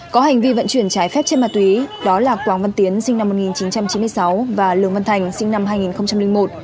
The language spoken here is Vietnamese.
có hành vi vận chuyển trái phép trên ma túy đó là quảng văn tiến sinh năm một nghìn chín trăm chín mươi sáu và lường văn thành sinh năm hai nghìn một